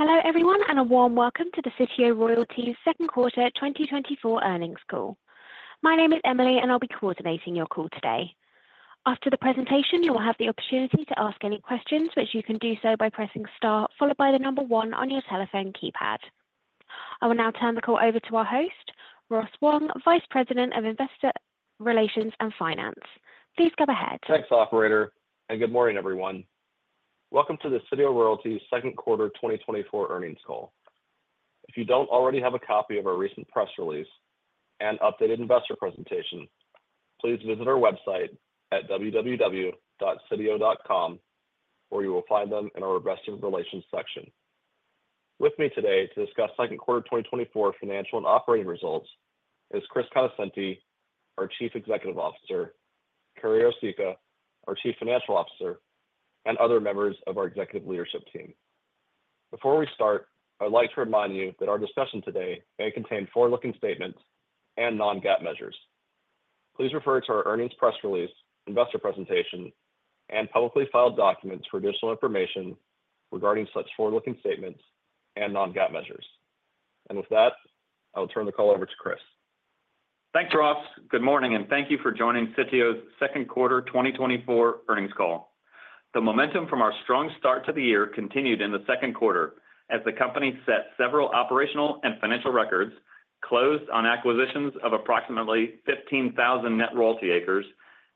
Hello, everyone, and a warm welcome to the Sitio Royalties' second quarter 2024 earnings call. My name is Emily, and I'll be coordinating your call today. After the presentation, you will have the opportunity to ask any questions, which you can do so by pressing star, followed by the number 1 on your telephone keypad. I will now turn the call over to our host, Ross Wong, Vice President of Investor Relations and Finance. Please go ahead. Thanks, operator, and good morning, everyone. Welcome to the Sitio Royalties' second quarter 2024 earnings call. If you don't already have a copy of our recent press release and updated investor presentation, please visit our website at www.sitio.com, where you will find them in our investor relations section. With me today to discuss second quarter 2024 financial and operating results is Chris Conoscenti, our Chief Executive Officer, Carrie Osicka, our Chief Financial Officer, and other members of our executive leadership team. Before we start, I'd like to remind you that our discussion today may contain forward-looking statements and non-GAAP measures. Please refer to our earnings press release, investor presentation, and publicly filed documents for additional information regarding such forward-looking statements and non-GAAP measures. With that, I'll turn the call over to Chris. Thanks, Ross. Good morning, and thank you for joining Sitio's second quarter 2024 earnings call. The momentum from our strong start to the year continued in the second quarter as the company set several operational and financial records, closed on acquisitions of approximately 15,000 net royalty acres,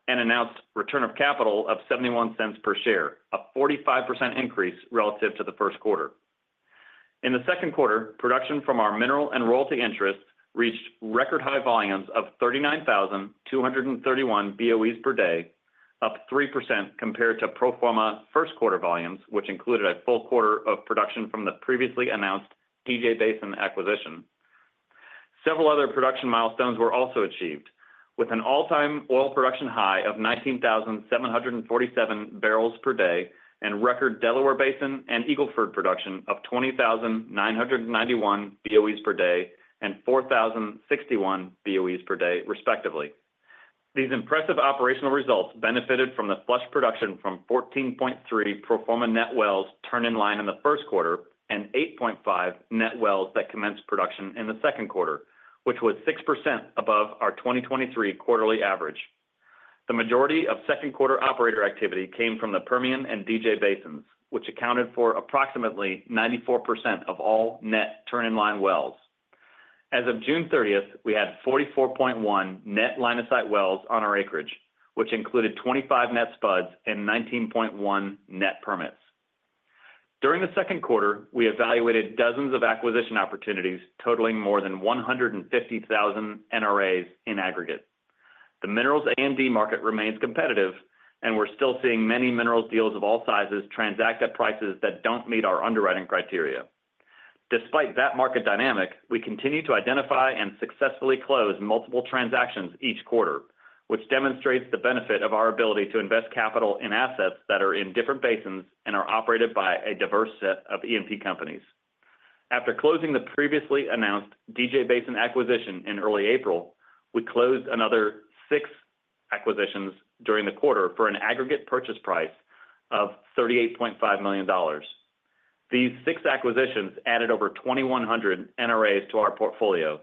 and announced return of capital of $0.71 per share, a 45% increase relative to the first quarter. In the second quarter, production from our mineral and royalty interests reached record high volumes of 39,231 BOEs per day, up 3% compared to pro forma first quarter volumes, which included a full quarter of production from the previously announced DJ Basin acquisition. Several other production milestones were also achieved, with an all-time oil production high of 19,747 barrels per day and record Delaware Basin and Eagle Ford production of 20,991 BOEs per day and 4,061 BOEs per day, respectively. These impressive operational results benefited from the flush production from 14.3 pro forma net wells turned in line in the first quarter and 8.5 net wells that commenced production in the second quarter, which was 6% above our 2023 quarterly average. The majority of second quarter operator activity came from the Permian and DJ Basins, which accounted for approximately 94% of all net turn-in-line wells. As of June thirtieth, we had 44.1 net line-of-sight wells on our acreage, which included 25 net spuds and 19.1 net permits. During the second quarter, we evaluated dozens of acquisition opportunities totaling more than 150,000 NRAs in aggregate. The minerals A&D market remains competitive, and we're still seeing many minerals deals of all sizes transact at prices that don't meet our underwriting criteria. Despite that market dynamic, we continue to identify and successfully close multiple transactions each quarter, which demonstrates the benefit of our ability to invest capital in assets that are in different basins and are operated by a diverse set of E&P companies. After closing the previously announced DJ Basin acquisition in early April, we closed another six acquisitions during the quarter for an aggregate purchase price of $38.5 million. These six acquisitions added over 2,100 NRAs to our portfolio,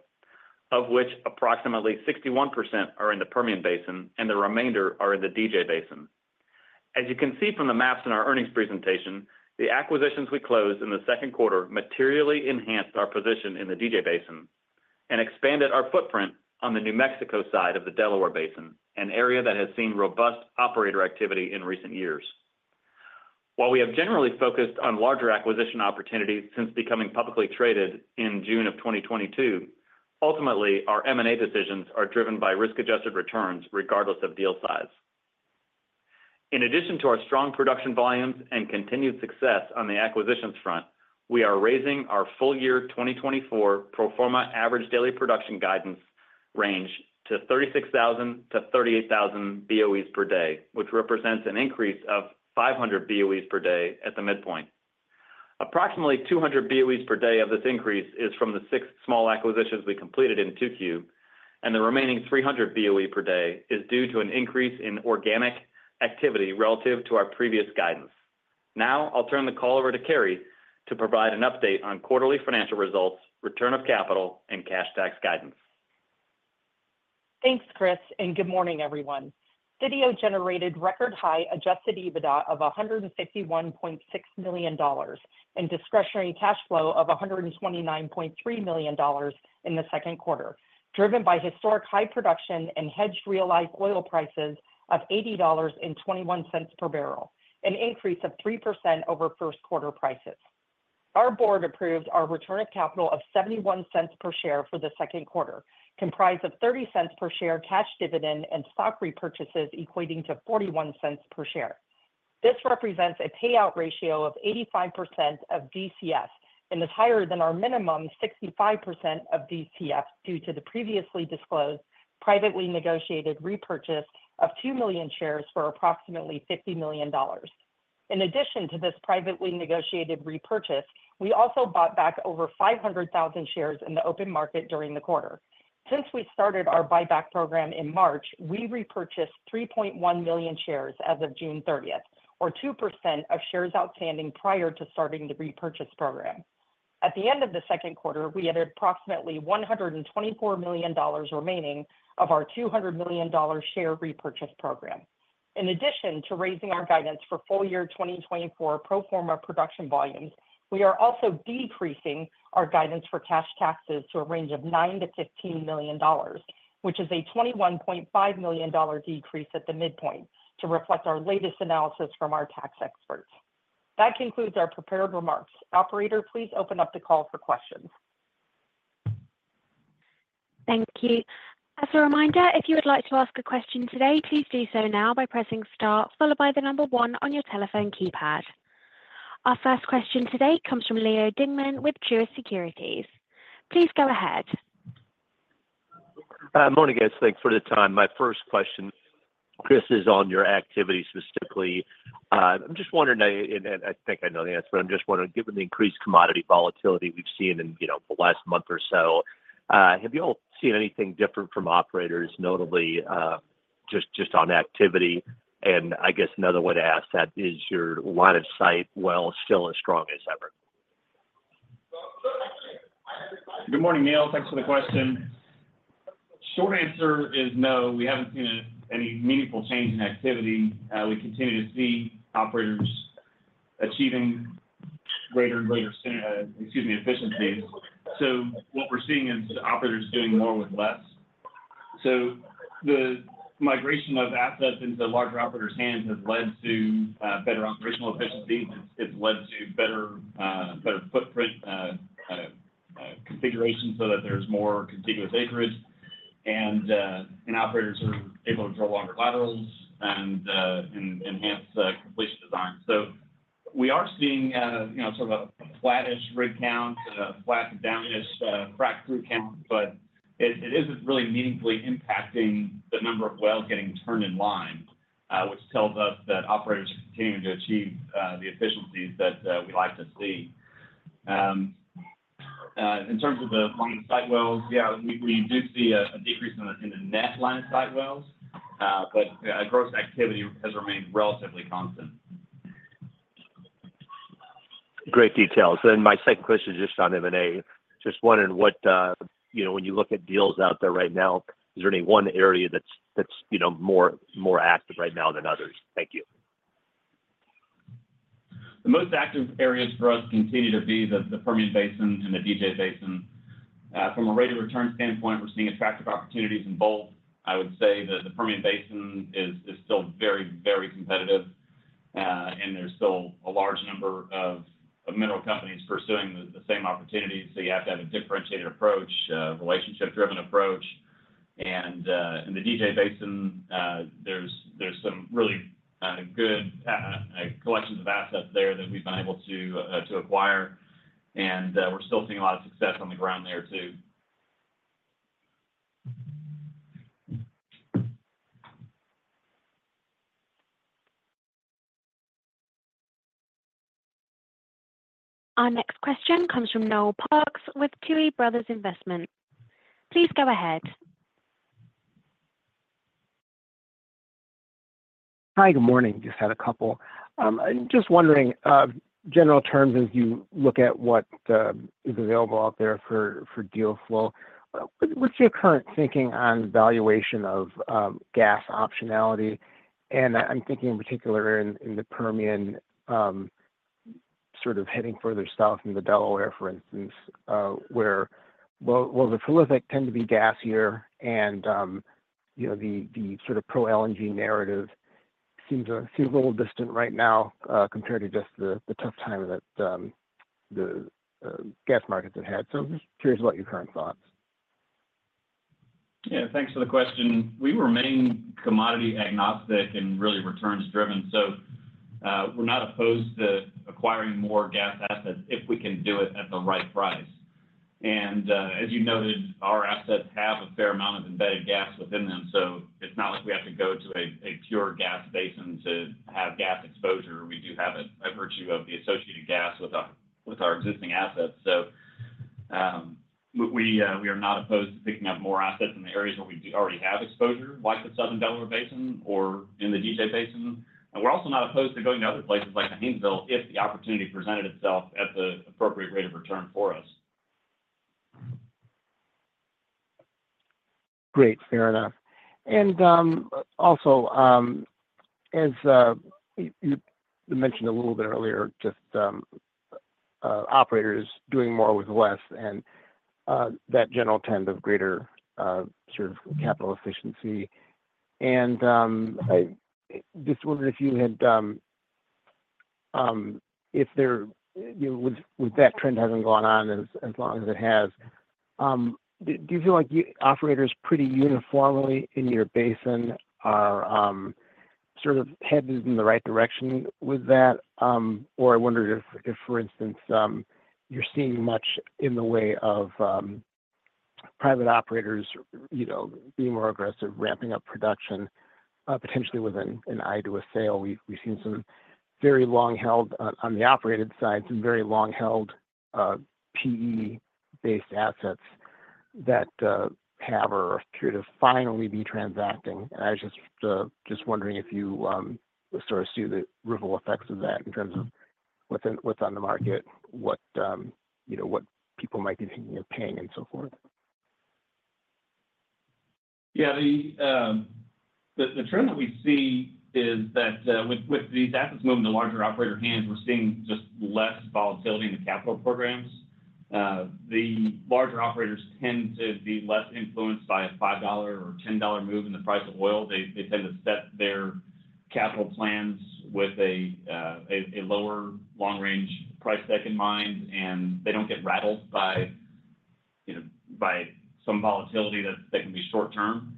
of which approximately 61% are in the Permian Basin and the remainder are in the DJ Basin. As you can see from the maps in our earnings presentation, the acquisitions we closed in the second quarter materially enhanced our position in the DJ Basin and expanded our footprint on the New Mexico side of the Delaware Basin, an area that has seen robust operator activity in recent years. While we have generally focused on larger acquisition opportunities since becoming publicly traded in June of 2022, ultimately, our M&A decisions are driven by risk-adjusted returns, regardless of deal size. In addition to our strong production volumes and continued success on the acquisitions front, we are raising our full year 2024 pro forma average daily production guidance range to 36,000-38,000 BOEs per day, which represents an increase of 500 BOEs per day at the midpoint. Approximately 200 BOEs per day of this increase is from the 6 small acquisitions we completed in 2Q, and the remaining 300 BOE per day is due to an increase in organic activity relative to our previous guidance. Now, I'll turn the call over to Carrie to provide an update on quarterly financial results, return of capital, and cash tax guidance. Thanks, Chris, and good morning, everyone. Sitio generated record high Adjusted EBITDA of $161.6 million and discretionary cash flow of $129.3 million in the second quarter, driven by historic high production and hedged realized oil prices of $80.21 per barrel, an increase of 3% over first quarter prices. Our board approved our return of capital of $0.71 per share for the second quarter, comprised of $0.30 per share cash dividend and stock repurchases equating to $0.41 per share. This represents a payout ratio of 85% of DCF and is higher than our minimum 65% of DCF due to the previously disclosed, privately negotiated repurchase of 2 million shares for approximately $50 million. In addition to this privately negotiated repurchase, we also bought back over 500,000 shares in the open market during the quarter. Since we started our buyback program in March, we repurchased 3.1 million shares as of June 30, or 2% of shares outstanding prior to starting the repurchase program. At the end of the second quarter, we had approximately $124 million remaining of our $200 million share repurchase program. In addition to raising our guidance for full year 2024 pro forma production volumes, we are also decreasing our guidance for cash taxes to a range of $9 million-$15 million, which is a $21.5 million decrease at the midpoint to reflect our latest analysis from our tax experts. That concludes our prepared remarks. Operator, please open up the call for questions. Thank you. As a reminder, if you would like to ask a question today, please do so now by pressing star, followed by the number one on your telephone keypad. Our first question today comes from Neal Dingman with Truist Securities. Please go ahead. Morning, guys. Thanks for the time. My first question, Chris, is on your activity specifically. I'm just wondering, and I think I know the answer, but I'm just wondering, given the increased commodity volatility we've seen in, you know, the last month or so, have you all seen anything different from operators, notably, just on activity? And I guess another way to ask that, is your line-of-sight wells still as strong as ever? Good morning, Neal. Thanks for the question. Short answer is no, we haven't seen any meaningful change in activity. We continue to see operators achieving greater and greater efficiencies. So what we're seeing is the operators doing more with less. So the migration of assets into larger operators' hands has led to better operational efficiency. It's led to better footprint configuration so that there's more contiguous acreage, and operators are able to drill longer laterals and enhance the completion design. So we are seeing you know, sort of a flattish rig count, flat to downish frack crew count, but it isn't really meaningfully impacting the number of wells getting turned in line, which tells us that operators are continuing to achieve the efficiencies that we like to see. In terms of the line of sight wells, yeah, we do see a decrease in the net line of sight wells, but gross activity has remained relatively constant. Great details. Then my second question is just on M&A. Just wondering what, you know, when you look at deals out there right now, is there any one area that's, you know, more active right now than others? Thank you. The most active areas for us continue to be the Permian Basin and the DJ Basin. From a rate of return standpoint, we're seeing attractive opportunities in both. I would say that the Permian Basin is still very, very competitive, and there's still a large number of mineral companies pursuing the same opportunities. So you have to have a differentiated approach, relationship-driven approach. And in the DJ Basin, there's some really good collections of assets there that we've been able to acquire, and we're still seeing a lot of success on the ground there, too. Our next question comes from Noel Parks with Tuohy Brothers Investment. Please go ahead. Hi, good morning. Just had a couple. I'm just wondering, general terms, as you look at what, is available out there for, for deal flow, what, what's your current thinking on valuation of, gas optionality? And I'm thinking in particular in, in the Permian, sort of heading further south in the Delaware, for instance, where, the prolific tend to be gasier and, you know, the, the sort of pro-LNG narrative seems a little distant right now, compared to just the, the tough time that, the, gas markets have had. So I'm just curious what your current thoughts. Yeah, thanks for the question. We remain commodity agnostic and really returns driven. So, we're not opposed to acquiring more gas assets if we can do it at the right price. And, as you noted, our assets have a fair amount of embedded gas within them, so it's not like we have to go to a pure gas basin to have gas exposure. We do have it by virtue of the associated gas with our existing assets. So, we are not opposed to picking up more assets in the areas where we do already have exposure, like the Southern Delaware Basin or in the DJ Basin. And we're also not opposed to going to other places like the Haynesville, if the opportunity presented itself at the appropriate rate of return for us. Great, fair enough. And also, as you mentioned a little bit earlier, just operators doing more with less and that general trend of greater sort of capital efficiency. And I just wondered if you had if there you know with that trend having gone on as long as it has, do you feel like you operators pretty uniformly in your basin are sort of headed in the right direction with that? Or I wonder if for instance you're seeing much in the way of private operators you know being more aggressive, ramping up production potentially with an eye to a sale. We've seen some very long held on the operated side, some very long held PE-based assets. that have or appear to finally be transacting. And I was just wondering if you sort of see the ripple effects of that in terms of what's on the market, what you know, what people might be thinking of paying and so forth? Yeah, the trend that we see is that with these assets moving to larger operator hands, we're seeing just less volatility in the capital programs. The larger operators tend to be less influenced by a $5 or $10 move in the price of oil. They tend to set their capital plans with a lower long-range price deck in mind, and they don't get rattled by, you know, some volatility that can be short term.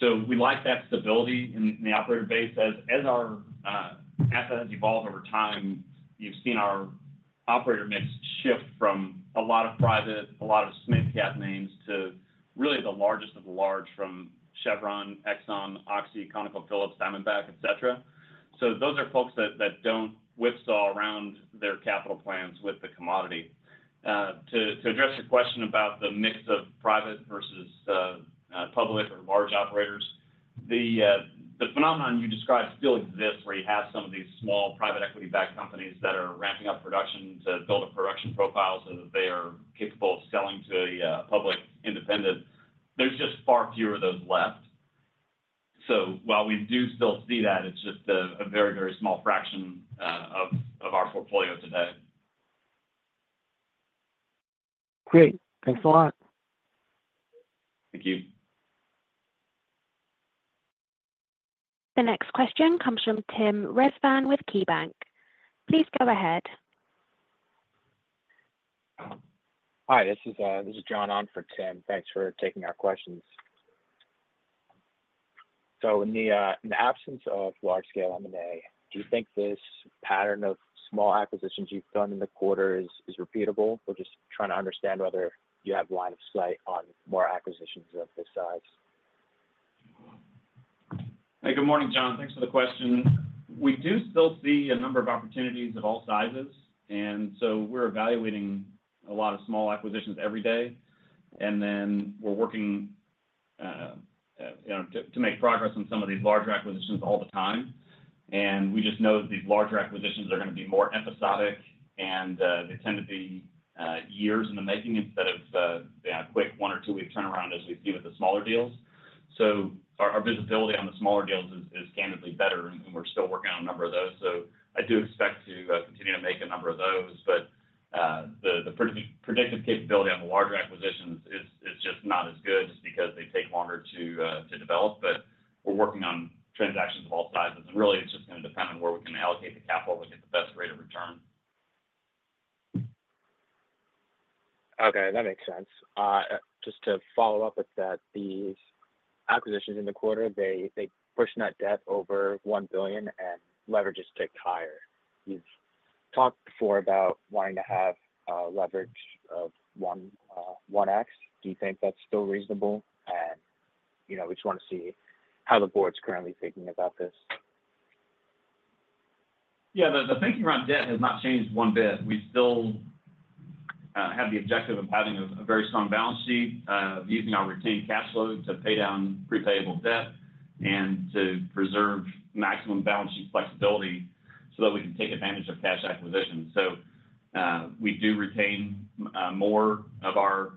So we like that stability in the operator base. As our assets evolve over time, you've seen our operator mix shift from a lot of private, a lot of small cap names, to really the largest of the large, from Chevron, Exxon, Oxy, ConocoPhillips, Diamondback, et cetera. So those are folks that don't whipsaw around their capital plans with the commodity. To address your question about the mix of private versus public or large operators, the phenomenon you describe still exists, where you have some of these small, private equity-backed companies that are ramping up production to build a production profile so that they are capable of selling to a public independent. There's just far fewer of those left. So while we do still see that, it's just a very, very small fraction of our portfolio today. Great. Thanks a lot. Thank you. The next question comes from Tim Rezvan with KeyBanc. Please go ahead. Hi, this is John on for Tim. Thanks for taking our questions. So in the absence of large-scale M&A, do you think this pattern of small acquisitions you've done in the quarter is repeatable? Or just trying to understand whether you have line of sight on more acquisitions of this size. Hey, good morning, John. Thanks for the question. We do still see a number of opportunities of all sizes, and so we're evaluating a lot of small acquisitions every day. And then we're working, you know, to make progress on some of these larger acquisitions all the time. And we just know that these larger acquisitions are going to be more episodic, and they tend to be years in the making instead of a quick one or two-week turnaround as we see with the smaller deals. So our visibility on the smaller deals is candidly better, and we're still working on a number of those. So I do expect to continue to make a number of those, but the predictive capability on the larger acquisitions is just not as good, just because they take longer to develop. But we're working on transactions of all sizes, and really, it's just going to depend on where we can allocate the capital to get the best rate of return. Okay, that makes sense. Just to follow up with that, the acquisitions in the quarter, they pushed net debt over $1 billion, and leverage is ticked higher. You've talked before about wanting to have, leverage of 1x. Do you think that's still reasonable? And, you know, we just want to see how the board's currently thinking about this. Yeah, the thinking around debt has not changed one bit. We still have the objective of having a very strong balance sheet, using our retained cash flow to pay down prepayable debt and to preserve maximum balance sheet flexibility so that we can take advantage of cash acquisitions. So, we do retain more of our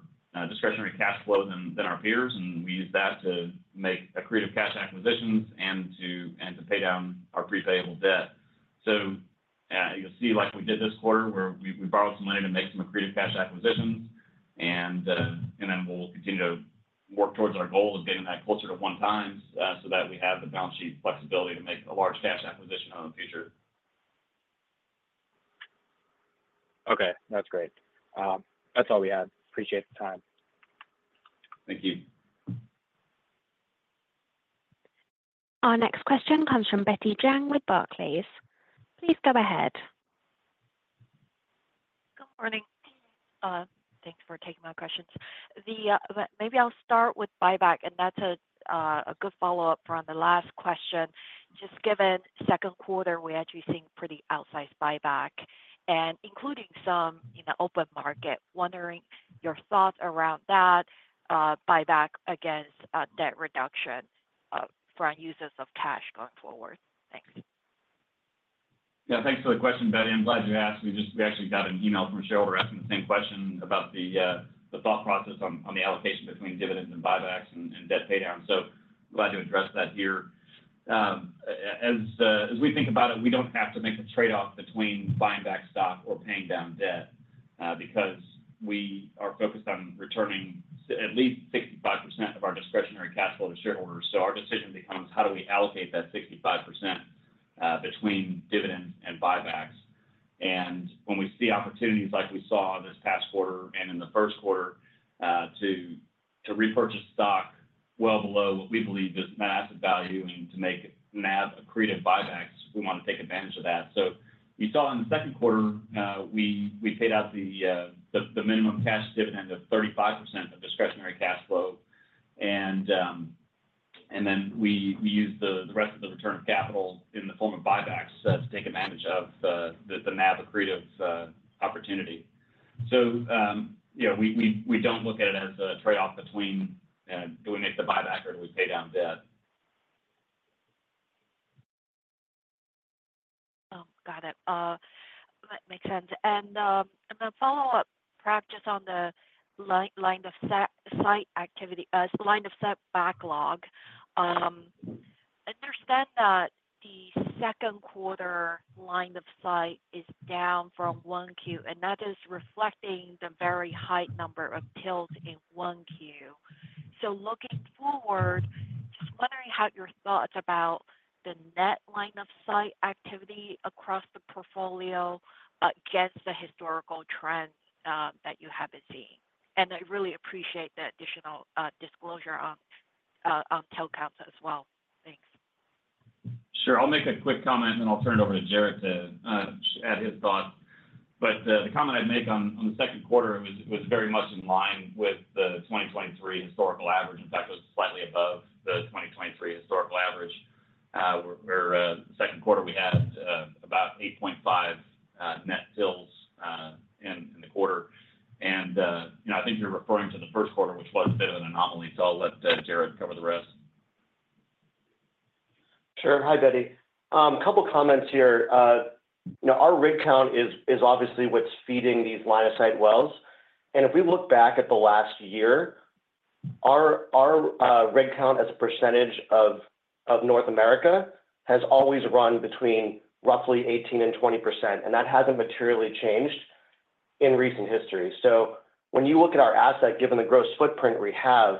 discretionary cash flow than our peers, and we use that to make accretive cash acquisitions and to pay down our prepayable debt. So, you'll see, like we did this quarter, where we borrowed some money to make some accretive cash acquisitions, and then we'll continue to work towards our goal of getting that closer to one times, so that we have the balance sheet flexibility to make a large cash acquisition in the future. Okay, that's great. That's all we had. Appreciate the time. Thank you. Our next question comes from Betty Jiang with Barclays. Please go ahead. Good morning. Thanks for taking my questions. Maybe I'll start with buyback, and that's a good follow-up from the last question. Just given second quarter, we're actually seeing pretty outsized buyback and including some in the open market. Wondering your thoughts around that, buyback against, debt reduction, for our use of cash going forward. Thanks. Yeah, thanks for the question, Betty. I'm glad you asked. We actually got an email from a shareholder asking the same question about the thought process on the allocation between dividends and buybacks and debt paydown. So glad to address that here. As we think about it, we don't have to make a trade-off between buying back stock or paying down debt because we are focused on returning at least 65% of our discretionary cash flow to shareholders. So our decision becomes: How do we allocate that 65%, between dividends and buybacks? And when we see opportunities like we saw this past quarter and in the first quarter, to repurchase stock well below what we believe is net asset value and to make NAV accretive buybacks, we want to take advantage of that. So you saw in the second quarter, we paid out the minimum cash dividend of 35% of discretionary cash flow, and... And then we use the rest of the return of capital in the form of buybacks, to take advantage of the NAV accretive opportunity. So, yeah, we don't look at it as a trade-off between, do we make the buyback or do we pay down debt? Oh, got it. That makes sense. Follow-up question on the line of sight activity, line of sight backlog. Understand that the second quarter line of sight is down from 1Q, and that is reflecting the very high number of TILs in 1Q. So looking forward, just wondering how your thoughts about the net line of sight activity across the portfolio against the historical trends that you haven't seen. I really appreciate the additional disclosure on TIL counts as well. Thanks. Sure. I'll make a quick comment, and then I'll turn it over to Jared to add his thoughts. But the comment I'd make on the second quarter was very much in line with the 2023 historical average. In fact, it was slightly above the 2023 historical average. Where second quarter, we had about 8.5 net wells in the quarter. And you know, I think you're referring to the first quarter, which was a bit of an anomaly, so I'll let Jared cover the rest. Sure. Hi, Betty. A couple of comments here. You know, our rig count is obviously what's feeding these line of sight wells. And if we look back at the last year, our rig count as a percentage of North America has always run between roughly 18%-20%, and that hasn't materially changed in recent history. So when you look at our asset, given the gross footprint we have,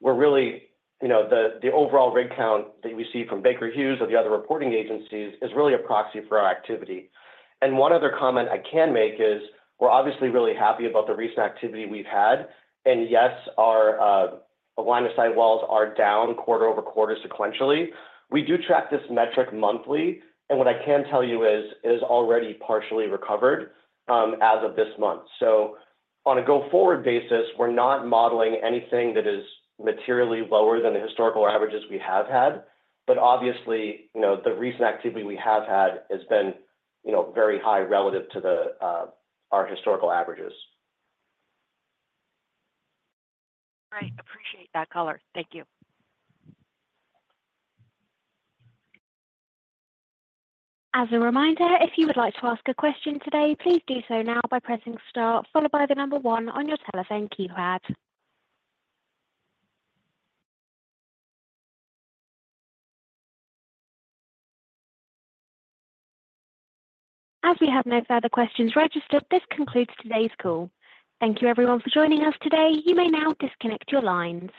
we're really, you know, the overall rig count that we see from Baker Hughes or the other reporting agencies is really a proxy for our activity. And one other comment I can make is, we're obviously really happy about the recent activity we've had. And yes, our line of sight wells are down quarter-over-quarter sequentially. We do track this metric monthly, and what I can tell you is, it is already partially recovered, as of this month. So on a go-forward basis, we're not modeling anything that is materially lower than the historical averages we have had, but obviously, you know, the recent activity we have had has been, you know, very high relative to the, our historical averages. Great. Appreciate that color. Thank you. As a reminder, if you would like to ask a question today, please do so now by pressing star, followed by the number one on your telephone keypad. As we have no further questions registered, this concludes today's call. Thank you, everyone, for joining us today. You may now disconnect your lines.